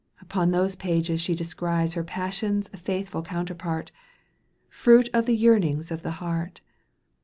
Upon those pages she descries Her passion's faithfiil counterpart, Fruit of the yearnings of the heart.